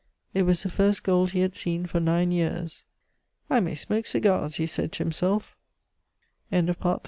It was the first gold he had seen for nine years. "I may smoke cigars!" he said to himself. About three months after